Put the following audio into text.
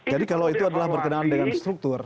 jadi kalau itu adalah berkenaan dengan struktur